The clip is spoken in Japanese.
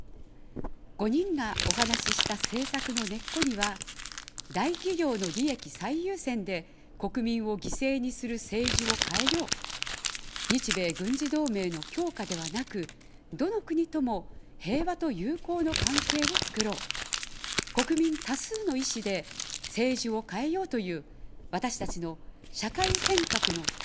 ５人がお話した政策の根っこには、大企業の利益最優先で国民を犠牲にする政治を変えよう、日米軍事同盟の強化ではなく、どの国とも、平和と友好の関係をつくろう、国民多数の意思で政治を変えようという、私たちの社会変革の立場があります。